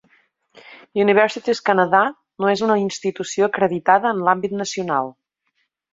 Universities Canada no és una institució acreditada en l'àmbit nacional.